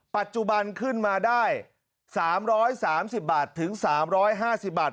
ปัจจุบันขึ้นมาได้๓๓๐บาทถึง๓๕๐บาท